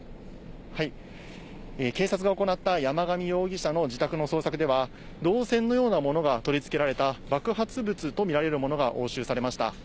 警察が行った山上容疑者の自宅の捜索では、銅線のようなものが取り付けられた爆発物と見られるものが押収されました。